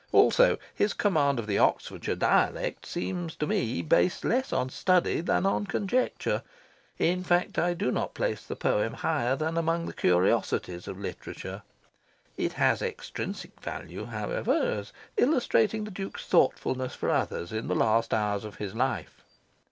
Also, his command of the Oxfordshire dialect seems to me based less on study than on conjecture. In fact, I do not place the poem higher than among the curiosities of literature. It has extrinsic value, however, as illustrating the Duke's thoughtfulness for others in the last hours of his life.